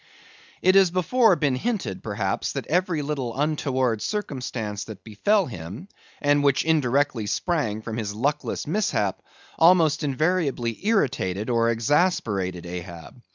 It has before been hinted, perhaps, that every little untoward circumstance that befell him, and which indirectly sprang from his luckless mishap, almost invariably irritated or exasperated Ahab.